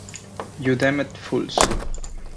You damned fools.